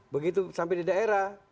begitu sampai di daerah